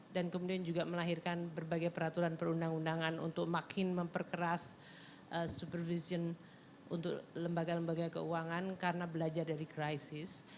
dan kemudian juga melahirkan berbagai peraturan perundang undangan untuk makin memperkeras supervision untuk lembaga lembaga keuangan karena belajar dari krisis